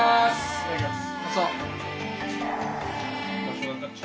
いただきます。